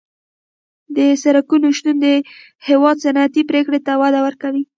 د سرکونو شتون د هېواد صنعتي پرمختګ ته وده ورکوي